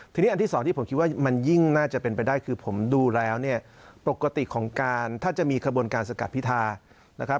ทีนี้อันที่สองที่ผมคิดว่ามันยิ่งน่าจะเป็นไปได้คือผมดูแล้วเนี่ยปกติของการถ้าจะมีขบวนการสกัดพิธานะครับ